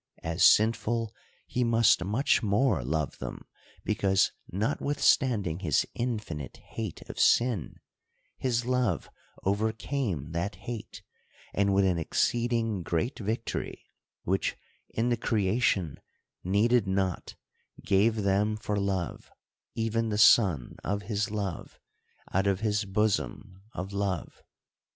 As sinful, he must much more love them : because, not withstanding his infinite hate of sin, his love overcame that hate ; and with an exceeding great victory, which in the creation needed not, gave them for love, even the Son of his love out of his bosom of love.